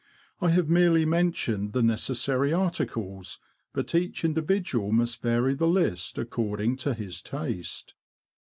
I have merely mentioned the necessary articles, but each individual must vary the list according to his taste.